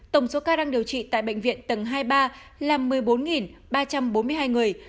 tổng số ca đang điều trị tại bệnh viện tầng hai mươi ba là một mươi bốn ba trăm bốn mươi hai người